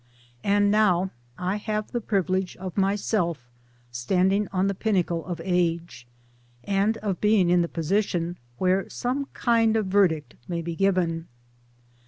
And now I have the privilege of myself standing on the pinnacle of age and of being in the position where some kind of verdict may be given.